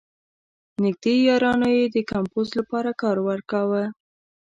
نېږدې یارانو یې د کمپوز لپاره کار ورکاوه.